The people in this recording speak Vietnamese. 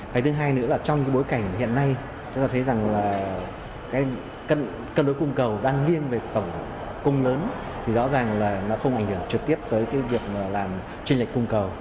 cái thứ hai nữa là trong cái bối cảnh hiện nay chúng ta thấy rằng là cái cân đối cung cầu đang nghiêng về tổng cung lớn thì rõ ràng là nó không ảnh hưởng trực tiếp tới cái việc làm tranh lệch cung cầu